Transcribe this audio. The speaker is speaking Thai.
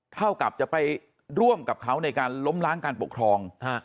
เท่ากับจะไปร่วมกับเขาในการล้มล้างการปกครอง